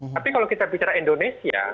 tapi kalau kita bicara indonesia